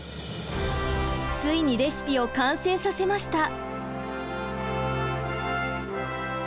ついにレシピを完成させました。